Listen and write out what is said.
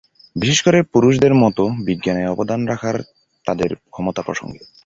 বিশেষ করে পুরুষদের মতো বিজ্ঞানে অবদান রাখার তাদের ক্ষমতা প্রসঙ্গে।